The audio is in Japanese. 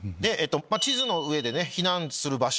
地図の上で避難する場所